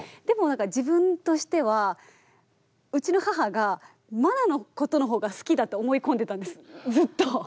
でもなんか自分としてはうちの母が茉奈のことの方が好きだと思い込んでたんですずっと。